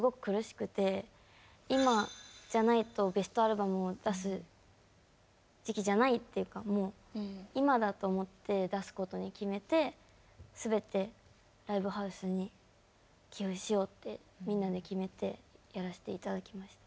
今じゃないとベストアルバムを出す時期じゃないというか「今だ」と思って出すことに決めて全てライブハウスに寄付しようってみんなで決めてやらせて頂きました。